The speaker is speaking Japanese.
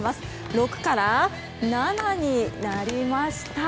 ６から７になりました！